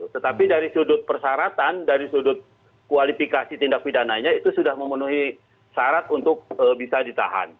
tetapi dari sudut persyaratan dari sudut kualifikasi tindak pidananya itu sudah memenuhi syarat untuk bisa ditahan